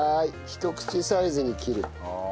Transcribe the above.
ひと口サイズに切る。